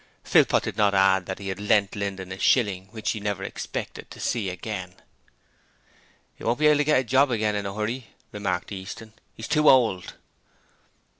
Philpot did not add that he had 'lent' Linden a shilling, which he never expected to see again. ''E won't be able to get a job again in a 'urry,' remarked Easton. ''E's too old.'